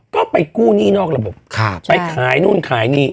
ก็ไปกู้หนี้นอกระบบไปขายนู่นขายนี่